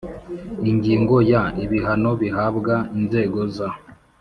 Ingingo ya ibihano bihabwa inzego za